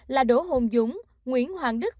là đỗ hồn dũng nguyễn hoàng đức